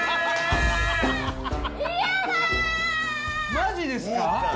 マジですか？